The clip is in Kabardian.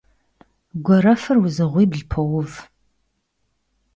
Гуэрэфыр узыгъуибл поув.